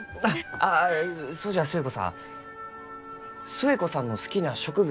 あそうじゃ寿恵子さん寿恵子さんの好きな植物